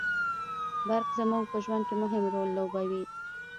برق زموږ په ژوند کي مهم رول لوبوي